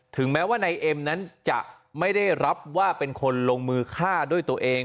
แม้ว่านายเอ็มนั้นจะไม่ได้รับว่าเป็นคนลงมือฆ่าด้วยตัวเอง